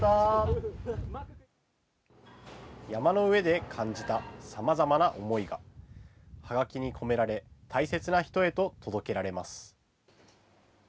山の上で感じたさまざまな思いがはがきに込められ、大切な人へと届けられます。